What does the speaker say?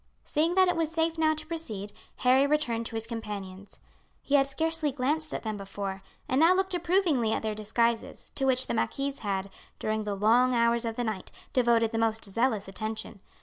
Seeing that it was safe now to proceed, Harry returned to his companions. He had scarcely glanced at them before, and now looked approvingly at their disguises, to which the marquise had, during the long hours of the night, devoted the most zealous attention.